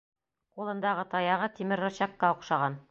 Ҡулындағы таяғы тимер рычагҡа оҡшаған.